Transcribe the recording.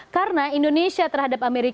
karena indonesia terhadap amerika serikat